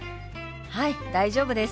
はい大丈夫です。